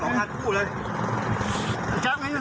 ลุกนี้เลยจับคุณนะ